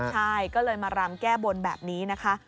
ใช่ก็เลยมารำแก้บนแบบนี้นะคะ